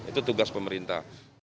itu tugas pemerintah